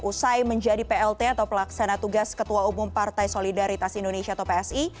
usai menjadi plt atau pelaksana tugas ketua umum partai solidaritas indonesia atau psi